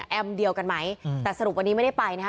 เดียวกันไหมแต่สรุปวันนี้ไม่ได้ไปนะฮะ